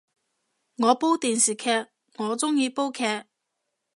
我煲電視劇，我鍾意煲劇